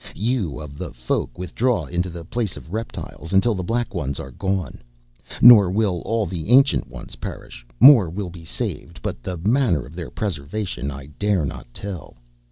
You of the Folk withdraw into the Place of Reptiles until the Black Ones are gone. Nor will all the Ancient Ones perish more will be saved, but the manner of their preservation I dare not tell.